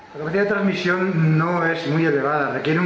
ketika kita mengalami kondisi yang terlalu tinggi